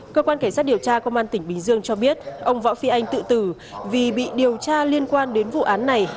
cơ quan cảnh sát điều tra công an tỉnh bình dương cho biết ông võ phi anh tự tử vì bị điều tra liên quan đến vụ án này